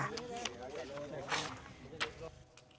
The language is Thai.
แขวด